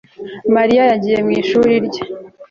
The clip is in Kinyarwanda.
Mariya yagiye mu ishuri rye